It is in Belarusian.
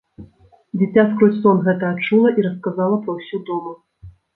Дзіця скрозь сон гэта адчула і расказала пра ўсё дома.